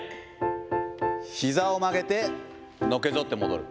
ひざを曲げて、のけ反って戻る。